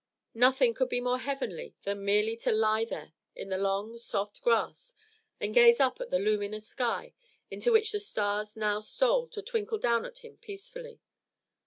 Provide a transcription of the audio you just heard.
Nothing could be more heavenly than merely to lie there in the long, soft grass and gaze up at the luminous sky, into which the stars now stole to twinkle down at him peacefully.